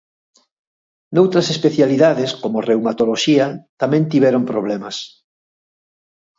Noutras especialidades como reumatoloxía tamén tiveron problemas.